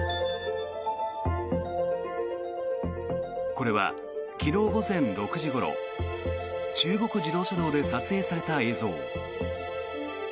これは昨日午前６時ごろ中国自動車道で撮影された映像。